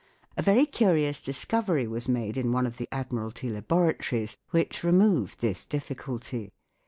A very curious discovery was made in one of the Admiralty laboratories which removed this difficulty.